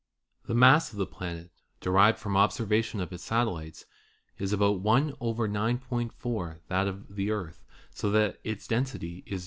The mass of the planet, derived from observations of its satellites, is about y».4 that of the Earth, so that its density is 0.